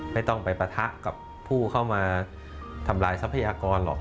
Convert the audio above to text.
ไม่ต้องไปปะทะกับผู้เข้ามาทำลายทรัพยากรหรอก